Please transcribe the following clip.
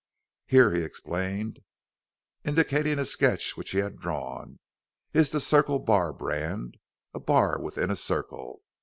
"Here," he explained, indicating a sketch which he had drawn, "is the Circle Bar brand a bar within a circle.